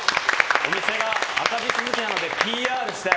お店が赤字続きなのでＰＲしたい。